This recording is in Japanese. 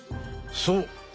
そう！